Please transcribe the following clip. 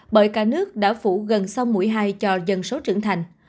bởi cả nước đã phủ gần xong mũi hai cho dân số trưởng thành